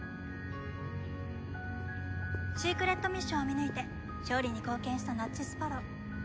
シークレットミッションを見抜いて勝利に貢献したナッジスパロウ。